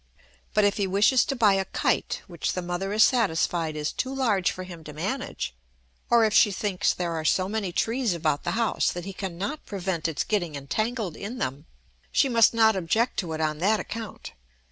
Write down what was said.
But if he wishes to buy a kite which the mother is satisfied is too large for him to manage, or if she thinks there are so many trees about the house that he can not prevent its getting entangled in them, she must not object to it on that account.